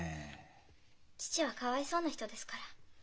父はかわいそうな人ですから。